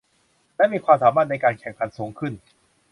และมีความสามารถในการแข่งขันสูงขึ้น